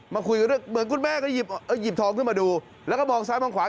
มาคุยเรื่องเหมือนคุณแม่ก็หยิบทองขึ้นมาดูแล้วก็มองซ้ายมองขวา